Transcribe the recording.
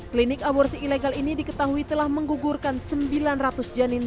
klinik aborsi ilegal ini diketahui telah menggugurkan sembilan ratus janin